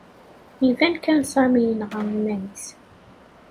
Iban kan Sami yenɣa iman-is.